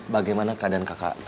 bagaimana keadaan kakak